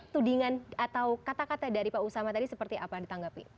tudingan atau kata kata dari pak usama tadi seperti apa ditanggapi